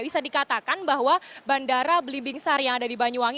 bisa dikatakan bahwa bandara belimbing sar yang ada di banyuwangi